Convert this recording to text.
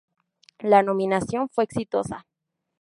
La nominación fue exitosa.